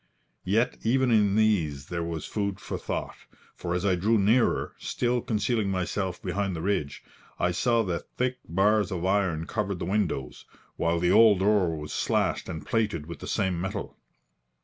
Yet even in these there was food for thought, for as I drew nearer, still concealing myself behind the ridge, I saw that thick bars of iron covered the windows, while the old door was slashed and plated with the same metal.